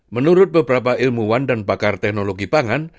menurut beberapa ilmuwan dan pakar teknologi pangan